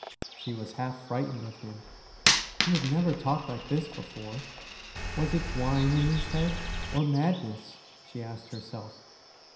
She was half frightened of him. He had never talked like this before. Was it wine in his head or madness ? she asked herself.